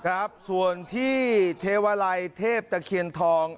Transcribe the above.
ครับส่วนที่เทวาลัยเทพตะเคียนทอง